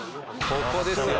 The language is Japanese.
ここですよ。